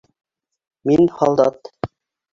Мин — һалдат!